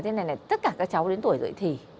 tất cả các cháu đến tuổi dưỡng thị